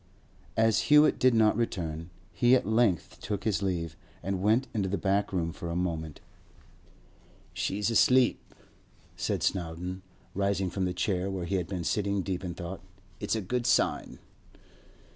As Hewett did not return, he at length took his leave, and went into the back room for a moment. 'She's asleep,' said Snowdon, rising from the chair where he had been sitting deep in thought. 'It's a good sign.